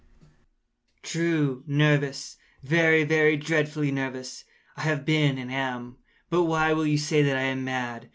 —nervous—very, very dreadfully nervous I had been and am; but why will you say that I am mad?